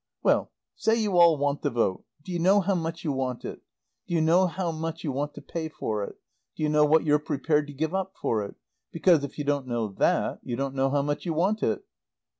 "Well say you all want the vote. Do you know how much you want it? Do you know how much you want to pay for it? Do you know what you're prepared to give up for it? Because, if you don't know that, you don't know how much you want it."